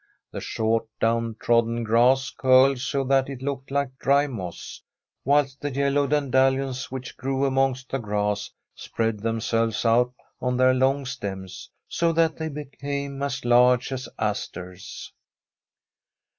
The short, down trodden grass curled, so that it looked like dry moss, whilst the yellow dandelions which grew amongst the grass spread them selves out on their long stems, so that they became as large as asters.